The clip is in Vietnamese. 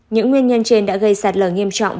những nguyên nhân trên đã gây sát lờ nghiêm trọng